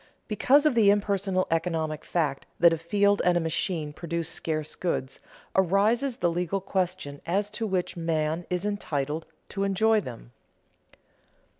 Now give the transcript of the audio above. Because of the impersonal economic fact that a field and a machine produce scarce goods, arises the legal question as to which man is entitled to enjoy them.